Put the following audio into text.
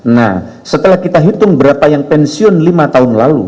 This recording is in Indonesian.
nah setelah kita hitung berapa yang pensiun lima tahun lalu